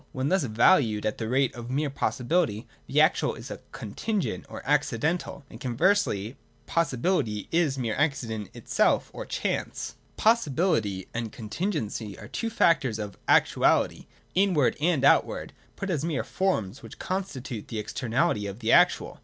When thus valued at the rate of a mere possibility, the actual is a Con 144) 145 j CONTINGENCY. 263 tingent or Accidental, and, conversely, possibility is mere Accident itself or Chance. 145.] Possibility and Contingency are the two factors of Actuality, — Inward and Outward, put as mere forms which constitute the externality of the actual.